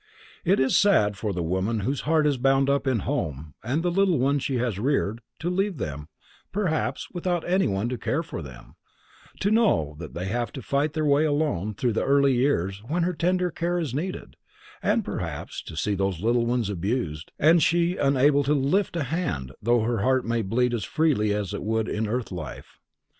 It is sad for the woman whose heart is bound up in home and the little ones she has reared, to leave them, perhaps without anyone to care for them; to know that they have to fight their way alone through the early years when her tender care is needed, and perhaps to see those little ones abused, and she unable to lift a hand, though her heart may bleed as freely as it would in earth life.